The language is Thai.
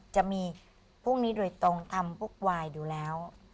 จะมีพวกนี้โดยตรงทำพวกวายอยู่แล้ว